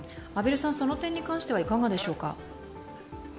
畔蒜さん、その点に関してはいかがでしょうか？